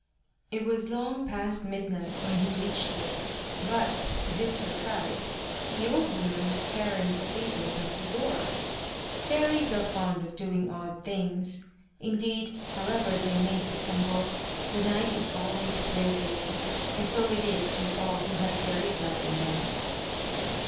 It was long past midnight when he reached it, but, to his surprise, the old woman was paring potatoes at the door. Fairies are fond of doing odd things. Indeed, however they may dissemble, the night is always their day. And so it is with all who have fairy blood in them.